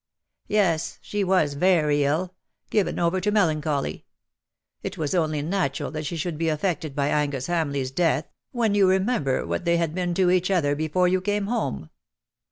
'^" Yes. She was very ill — given over to melan choly. It was only natural that she should be affected by Angus Hamleigh's death, when you remember what they had been to each other before you came home.